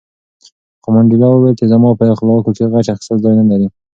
خو منډېلا وویل چې زما په اخلاقو کې غچ اخیستل ځای نه لري.